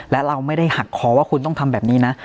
และเราไม่ได้หักคอว่าคุณต้องทำแบบนี้นะ